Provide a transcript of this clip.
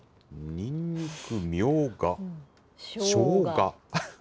にんにく、みょうが、しょうが。